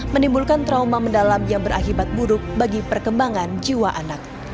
menimbulkan trauma mendalam yang berakibat buruk bagi perkembangan jiwa anak